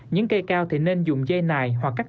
những cây cao thì nên dùng dừa